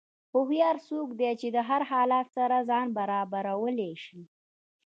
هوښیار څوک دی چې د هر حالت سره ځان برابرولی شي.